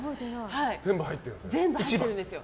全部入ってるんですよ。